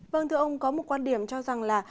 vâng thưa ông có một quan điểm cho rằng là